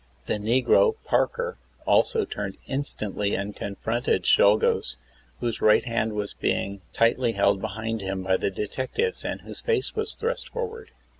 The negro, Parker, also turned instantly and confronted Czolgosz, whose right hand was being tightly held behind him, by the detectives and whose face was thrust forward.